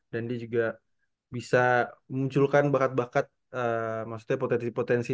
dan dia juga bisa munculkan bakat bakat maksudnya potensi potensi